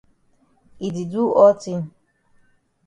E di do all tin.